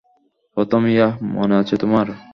প্রথম ইয়াহ, মনে আছে তোমার?